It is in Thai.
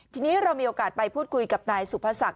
ทีนี้เรามีโอกาสไปพูดคุยกับนายสุภศักดิ